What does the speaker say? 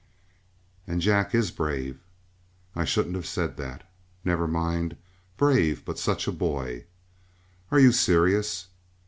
"And Jack is brave." "I shouldn't have said that." "Never mind. Brave, but such a boy." "Are you serious?"